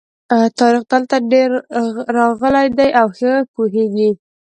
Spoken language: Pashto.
طارق دلته ډېر راغلی دی او ښه پوهېږي.